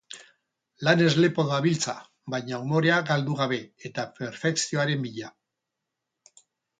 Lanez lepo dabiltza, baina umorea galdu gabe eta perfekzioaren bila.